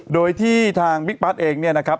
โดยที่ทางบิ๊กปัดเองเนี่ยนะครับ